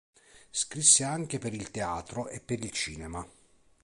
Scrisse anche per il teatro e per il cinema.